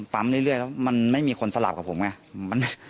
เรื่อยแล้วมันไม่มีคนสลับกับผมไง